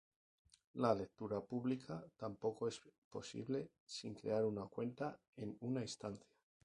La lectura pública tampoco es posible sin crear una cuenta en una instancia.